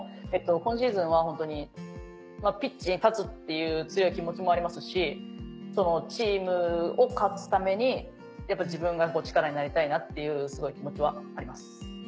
今シーズンはホントにピッチに立つっていう強い気持ちもありますしチームを勝つために自分が力になりたいなっていう気持ちはあります。